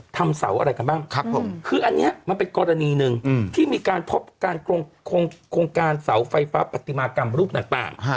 ทำเสาอะไรกันบ้างครับผมคืออันนี้มันเป็นกรณีหนึ่งที่มีการพบการโครงการเสาไฟฟ้าปฏิมากรรมรูปต่าง